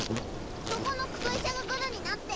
そこのクソ医者がグルになって。